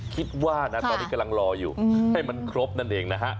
คิดว่านะตอนนี้กำลังรออยู่ให้มันครบนั่นเองนะฮะ